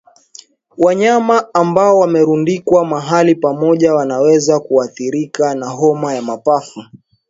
Wanyama ambao wamerundikwa mahali pamoja wanaweza kuathirika na homa ya mapafu